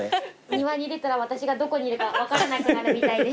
庭に出たら私がどこにいるか分からなくなるみたいで。